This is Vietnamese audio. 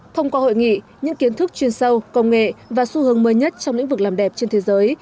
thông qua hội nghị những kiến thức chuyên sâu công nghệ và xu hướng mới nhất trong lĩnh vực làm đẹp trên thế giới